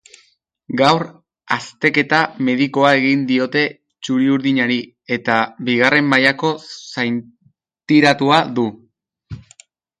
Gaur azteketa medikoa egin diote txuri-urdinari, eta bigarren mailako zaintiratua du.